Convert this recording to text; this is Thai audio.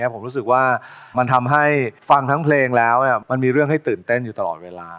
ผมรู้สึกว่ามันทำให้ฟังทั้งเพลงแล้วมันมีเรื่องให้ตื่นเต้นอยู่ตลอดเวลา